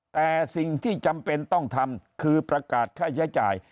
แต่สิ่งที่จำเป็นต้องทำคือประกาศค่าใช้จ่าย